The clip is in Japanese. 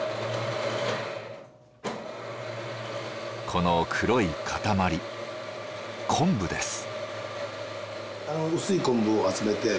この黒い塊昆布です。